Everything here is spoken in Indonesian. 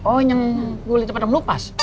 oh yang boleh cepetan melupas